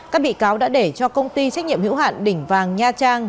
các bị cáo đã để cho công ty trách nhiệm hữu hạn đỉnh vàng nha trang